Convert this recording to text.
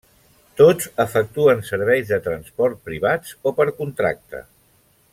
Tots efectuen serveis de transport privats o per contracte.